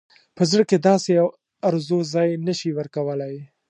په زړه کې داسې آرزو ځای نه شي ورکولای.